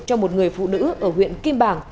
cho một người phụ nữ ở huyện kim bàng